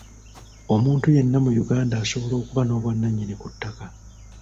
Omuntu yenna mu Uganda asobola okuba n'obwannannyini ku ttaka.